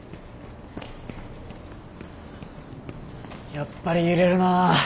やっぱり揺れるな。